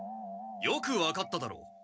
よく分かっただろう！